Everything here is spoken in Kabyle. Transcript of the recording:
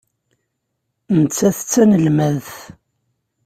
Nettat d tanelmadt.